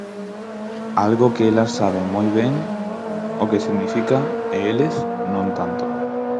Algo que elas saben moi ben o que significa e eles, non tanto.